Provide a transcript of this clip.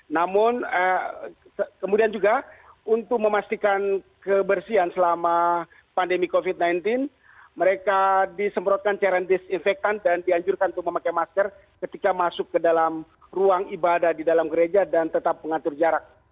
namun kemudian juga untuk memastikan kebersihan selama pandemi covid sembilan belas mereka disemprotkan cairan disinfektan dan dianjurkan untuk memakai masker ketika masuk ke dalam ruang ibadah di dalam gereja dan tetap mengatur jarak